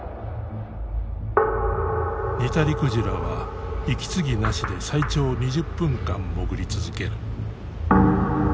ニタリクジラは息継ぎなしで最長２０分間潜り続ける。